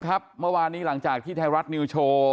เมื่อวานนี้หลังจากที่ไทยรัฐนิวโชว์